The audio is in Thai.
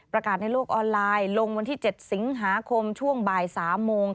ในโลกออนไลน์ลงวันที่๗สิงหาคมช่วงบ่าย๓โมง